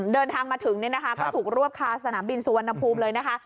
เดินทางมาถึงเนี่ยนะคะก็ถูกรวบคาสนามบินสุวรรณภูมิเลยนะคะ